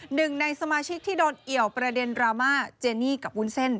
หนึ่งในสมาชิกที่โดนเอี่ยวประเด็นดราม่าเจนี่กับวุ้นเส้น